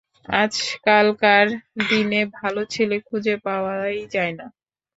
আজকালকার দিনে ভালো ছেলে খুঁজে পাওয়াই যায়না।